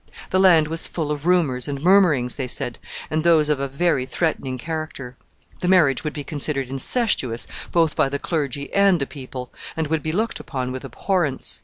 The land was full of rumors and murmurings, they said, and those of a very threatening character. The marriage would be considered incestuous both by the clergy and the people, and would be looked upon with abhorrence.